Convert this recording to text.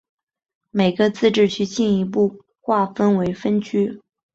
每个自治区进一步划分为分区。